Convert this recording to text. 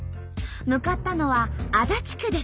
向かったのは足立区です。